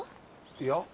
いや。